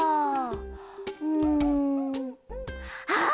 うんあっ！